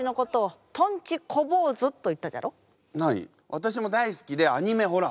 私も大好きでアニメほら！